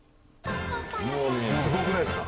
すごくないですか？